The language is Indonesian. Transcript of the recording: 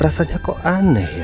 rasanya kok aneh ya